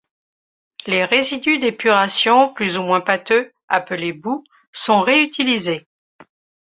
Les résidus d'épuration plus ou moins pâteux, appelés boues, sont réutilisés.